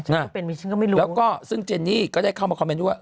ฉันก็เป็นฉันก็ไม่รู้แล้วก็ซึ่งเจนี่ก็ได้เข้ามาคอมเมนต์ว่า